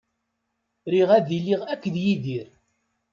Riɣ ad iliɣ akked Yidir.